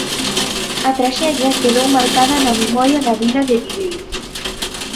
A traxedia quedou marcada na memoria da vila de Viveiro.